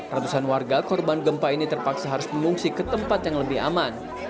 ratusan warga korban gempa ini terpaksa harus mengungsi ke tempat yang lebih aman